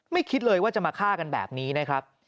คิดเลยว่าจะมาฆ่ากันแบบนี้นะครับ